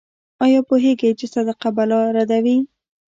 ایا پوهیږئ چې صدقه بلا ردوي؟